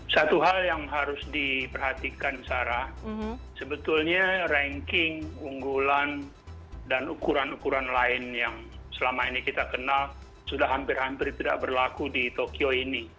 satu hal yang harus diperhatikan sarah sebetulnya ranking unggulan dan ukuran ukuran lain yang selama ini kita kenal sudah hampir hampir tidak berlaku di tokyo ini